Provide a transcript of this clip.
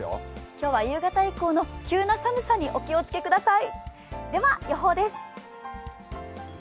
今日は夕方以降の急な寒さにお気をつけください。